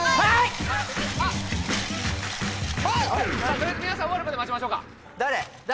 とりあえず皆さん終わるまで待ちましょうか誰？